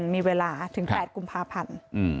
มีเวลาถึง๘กุมภาพันธ์